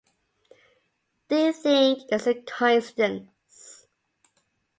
Do you think it's a coincidence?